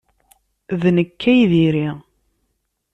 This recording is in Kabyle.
D nekk ay diri!